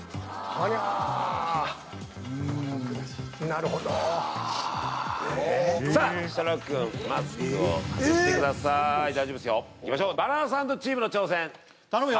これは難しい・なるほど・うわさあ設楽くんマスクを外してください大丈夫ですよいきましょうバナナサンドチームの挑戦頼むよ